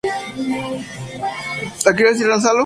Finalmente fue capturado y cumple su condena.